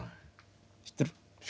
知ってる？